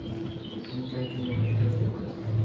আমি চাই তুমি আমাকে সাহায্য করো।